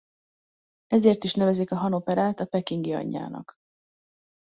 Ezért is nevezik a Han operát a pekingi anyjának.